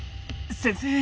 先生